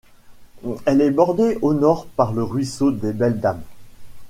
Elle est bordée au nord par le ruisseau des Belles-Dames.